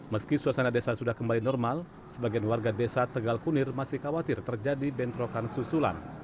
meski suasana desa sudah kembali normal sebagian warga desa tegal kunir masih khawatir terjadi bentrokan susulan